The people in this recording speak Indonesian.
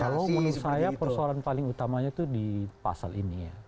kalau menurut saya persoalan paling utamanya itu di pasal ini ya